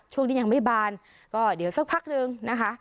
ช่วงที่ยังไม่บานก็เดี๋ยวสักพักนะคะ